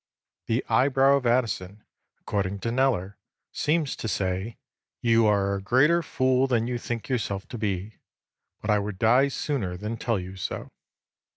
The eyebrow of Addison, according to Kneller, seems to say, 'You are a greater fool than you think yourself to be, but I would die sooner than tell you so.